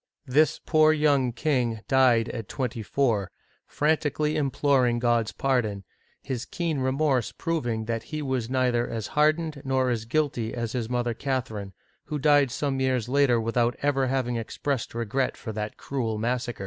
This poor young king died at twenty four, frantically imploring God's pardon, his keen remorse proving that he was neither as hardened nor as guilty as his mother Cath erine, who died some years later, without ever having ex pressed regret for that cruel massacre.